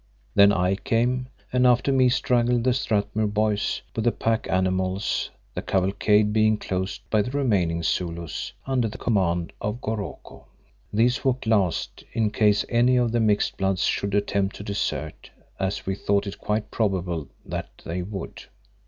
Then I came and after me straggled the Strathmuir boys with the pack animals, the cavalcade being closed by the remaining Zulus under the command of Goroko. These walked last in case any of the mixed bloods should attempt to desert, as we thought it quite probable that they would.